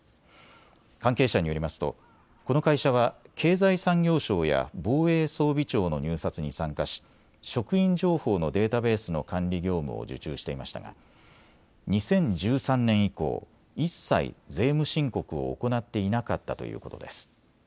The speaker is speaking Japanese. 関係者によりますとこの会社は経済産業省や防衛装備庁の入札に参加し職員情報のデータベースの管理業務を受注していましたが２０１３年以降、一切、税務申告を行っていなかったということです。